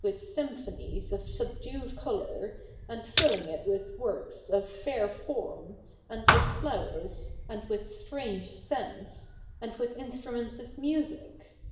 Ill] THE NEW REPUBLIC 25 symphonies of subdued colour, and filling it with works of fair form, and with flowers, and with strange scents, and with instruments of music.